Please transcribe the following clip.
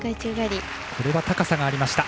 これは、高さがありました。